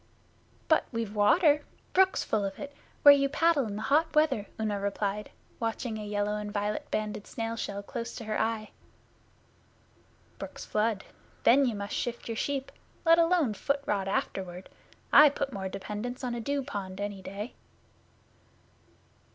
'But we've water brooks full of it where you paddle in hot weather,' Una replied, watching a yellow and violet banded snail shell close to her eye. 'Brooks flood. Then you must shift your sheep let alone foot rot afterward. I put more dependence on a dew pond any day.